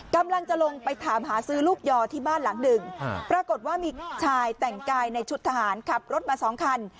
กำลังจะลงไปถามหาซื้อลูกยอที่บ้านหลังหนึ่งปรากฏว่ามีชายแต่งกายในชุดทหารขับรถมาสองคัน